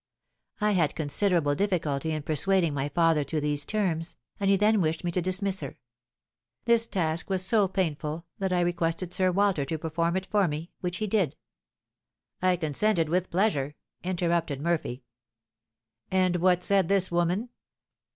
I had considerable difficulty in persuading my father to these terms, and he then wished me to dismiss her. This task was so painful that I requested Sir Walter to perform it for me, which he did." "I consented with pleasure," interrupted Murphy. "And what said this woman?"